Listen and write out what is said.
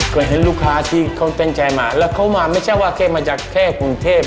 เคยเห็นลูกค้าที่เขาตั้งใจมาแล้วเขามาไม่ใช่ว่าแค่มาจากแค่กรุงเทพ